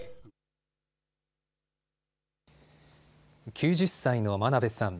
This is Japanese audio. ９０歳の真鍋さん。